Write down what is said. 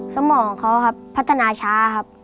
สมองเขาครับพัฒนาช้าครับ